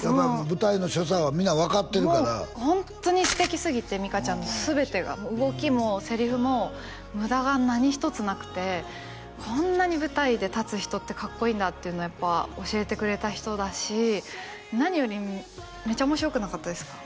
舞台の所作は皆分かってるからもうホントに素敵すぎて実花ちゃんの全てが動きもセリフも無駄が何一つなくてこんなに舞台で立つ人ってかっこいいんだっていうのをやっぱ教えてくれた人だし何よりめちゃ面白くなかったですか？